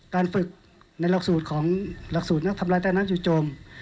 การฝึกในหลักสูตรของหลักสูตรนักทำลายใต้น้ำจู่โจม